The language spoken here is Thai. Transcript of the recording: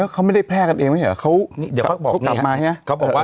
เขาไม่ได้แพทย์กันเองไหมเนี้ยเขาเดี๋ยวเขากลับมาเนี้ยเขาบอกว่า